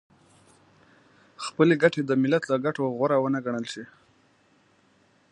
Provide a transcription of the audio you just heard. خپلې ګټې د ملت له ګټو غوره ونه ګڼل شي .